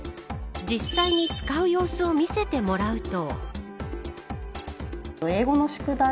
実際に使う様子を見せてもらうと。